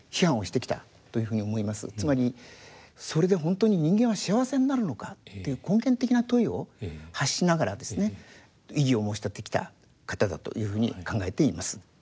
つまりそれで本当に人間は幸せになるのかっていう根源的な問いを発しながらですね異議を申し立ててきた方だというふうに考えています。